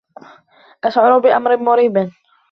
أشعر بأمر مريب.